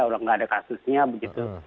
udah nggak ada kasusnya begitu